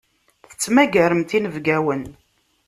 Tettmagaremt inebgawen.